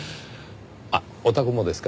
あっおたくもですか？